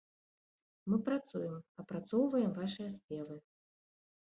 Мы працуем, апрацоўваем вашыя спевы.